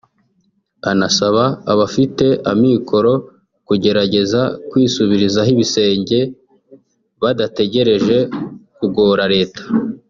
anasaba abafite amikoro kugerageza kwisubirizaho ibisenge badategereje kugora Leta